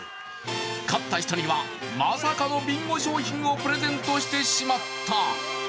勝った人には、まさかのビンゴ商品をプレゼントしてしまった。